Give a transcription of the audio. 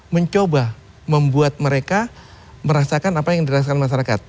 mencoba membuat mereka merasakan apa yang dirasakan masyarakat